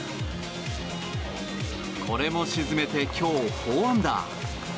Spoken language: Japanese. これも沈めて今日４アンダー。